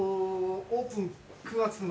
オープン９月の。